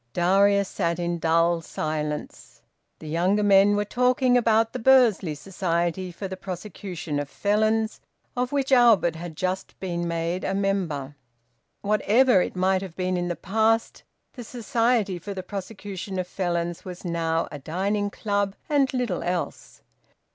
Darius sat in dull silence. The younger men were talking about the Bursley Society for the Prosecution of Felons, of which Albert had just been made a member. Whatever it might have been in the past, the Society for the Prosecution of Felons was now a dining club and little else.